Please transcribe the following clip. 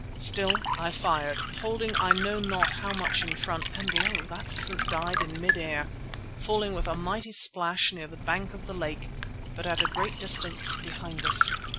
Still, I fired, holding I know not how much in front, and lo! that pheasant died in mid air, falling with a mighty splash near the bank of the lake, but at a great distance behind us.